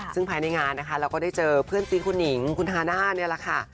ซึ่งภายในงานนะคะเราก็ได้เจอเพื่อนซีคุณหนิงคุณฮาน่านี่แหละค่ะ